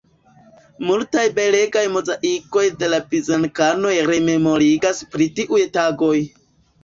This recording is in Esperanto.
Multaj belegaj mozaikoj de la bizancanoj rememorigas pri tiuj tagoj.